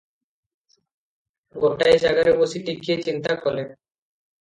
ଗୋଟାଏ ଜାଗାରେ ବସି ଟିକିଏ ଚିନ୍ତା କଲେ।